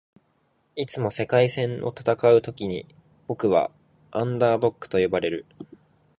「いつも“世界戦”を戦うときに僕は『アンダードッグ』と呼ばれる。しかし、いつも僕は人々が間違っていることを証明してきた。今回もそうするさ」